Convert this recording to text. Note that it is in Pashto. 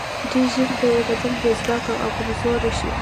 ډېر ژر به یې بدن بې ځواکه او کمزوری شي.